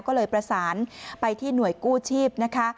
ก็เลยประสานไปที่หน่วยกู้ชีพนะคะ